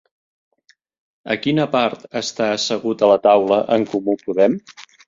A quina part està assegut a la taula En Comú Podem?